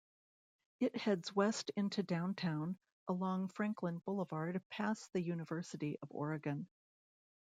It heads west into downtown, along Franklin Boulevard past the University of Oregon.